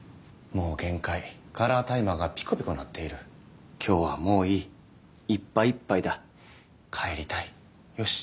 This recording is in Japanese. もう限界カラータイマーがピコピコ鳴っている今日はもういいいっぱいいっぱいだ帰りたいよし